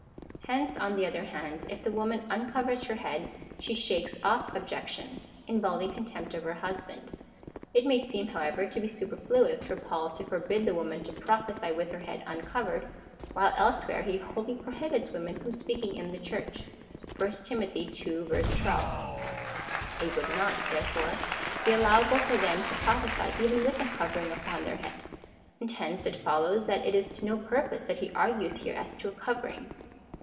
Hence, on the other hand, if the woman uncovers her head, she shakes off subjection — involving contempt of her husband. It may seem, however, to be superfluous for Paul to forbid the woman to prophesy with her head uncovered, while elsewhere he wholly prohibits women from speaking in the Church. (1 Tim. ii. 12.) It would not, therefore, be allowable for them to prophesy even with a covering upon their head, and hence it follows that it is to no purpose that he argues here as to a covering.